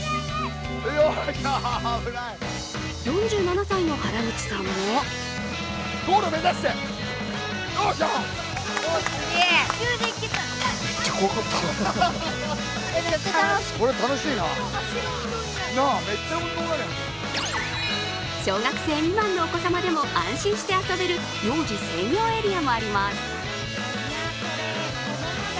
４７歳の原口さんも小学生未満のお子様でも安心して遊べる幼児専用エリアもあります。